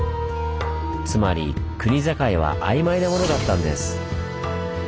つまり国境はあいまいなものだったんです。